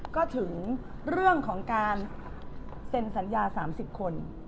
ก็ถึงเรื่องของการเซ็นสัญญา๓๐คน